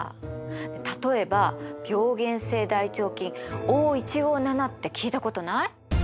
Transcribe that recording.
例えば病原性大腸菌Ｏ−１５７って聞いたことない？